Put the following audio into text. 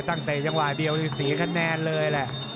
ตั้งแต่จังหวายเดียว๔คะแนนเลยแหละ